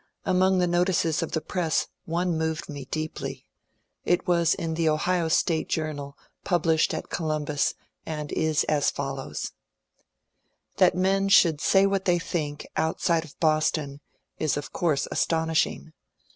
Among the notices of the press one moved me deeply. It was in the *^ Ohio State Journal," published at Columbus, and is as follows :— That men should say what they think, outside of Boston, is of course astonishing.